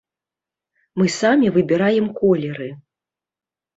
Мы самі выбіраем колеры.